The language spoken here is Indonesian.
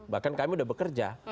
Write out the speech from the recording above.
bahkan kami sudah bekerja